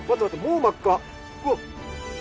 うわっ。